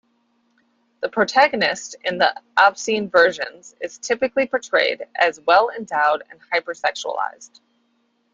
The protagonist in the obscene versions is typically portrayed as well-endowed and hypersexualized.